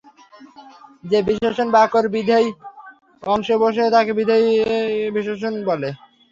যে বিশেষণ বাক্যের বিধেয় অংশে বসে তাকে বিধেয় বিশেষণ বলে।